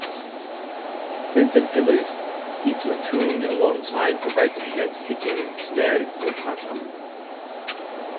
With the Phillies, he platooned alongside the right-hand hitting Stan Lopata.